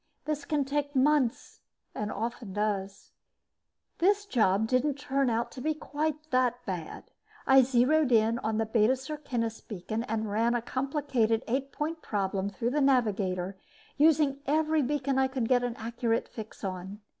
This can take months, and often does. This job didn't turn out to be quite that bad. I zeroed on the Beta Circinus beacon and ran a complicated eight point problem through the navigator, using every beacon I could get an accurate fix on.